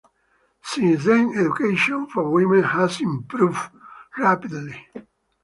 Since then, education for women has improved rapidly.